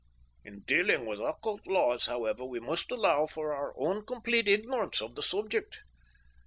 In dealing with occult laws, however, we must allow for our own complete ignorance of the subject.